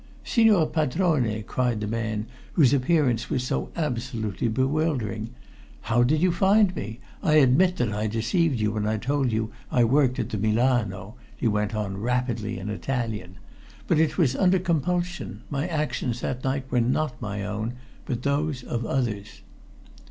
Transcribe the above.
"Signor Padrone!" cried the man whose appearance was so absolutely bewildering. "How did you find me here? I admit that I deceived you when I told you I worked at the Milano," he went on rapidly in Italian. "But it was under compulsion my actions that night were not my own but those of others."